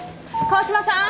川嶋さん。